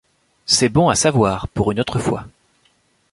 C’est bon à savoir pour une autre fois!